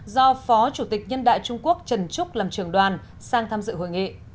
do phó chủ tịch nhân đại trung quốc trần trúc làm trường đoàn sang tham dự hội nghị